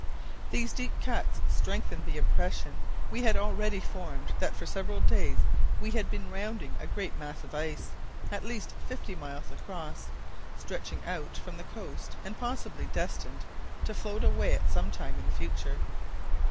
These deep cuts strengthened the impression we had already formed that for several days we had been rounding a great mass of ice, at least fifty miles across, stretching out from the coast and possibly destined to float away at some time in the future.